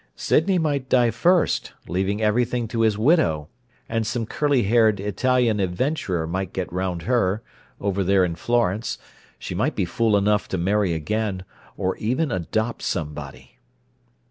Sydney might die first, leaving everything to his widow, and some curly haired Italian adventurer might get round her, over there in Florence; she might be fool enough to marry again—or even adopt somebody!